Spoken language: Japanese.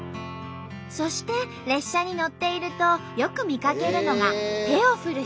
そして列車に乗っているとよく見かけるのが手を振る人たちの姿。